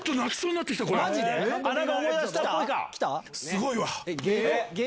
すごいわ！